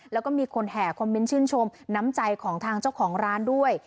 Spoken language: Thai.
แล้วก็มีคนแห่คอมเมนต์ชื่นชมน้ำใจของทางเจ้าของร้านด้วย